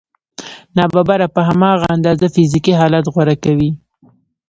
ناببره په هماغه اندازه فزيکي حالت غوره کوي.